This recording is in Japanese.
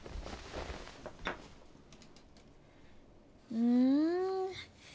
うん。